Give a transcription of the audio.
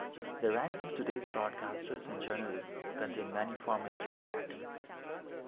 The ranks of today's broadcasters and journalists contain many former student activists.